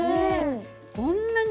こんなに。